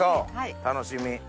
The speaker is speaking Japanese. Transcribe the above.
楽しみ！